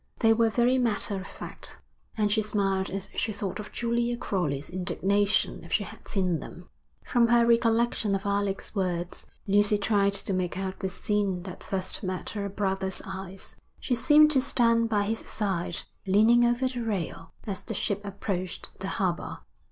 They were very matter of fact, and she smiled as she thought of Julia Crowley's indignation if she had seen them. From her recollection of Alec's words, Lucy tried to make out the scene that first met her brother's eyes. She seemed to stand by his side, leaning over the rail, as the ship approached the harbour.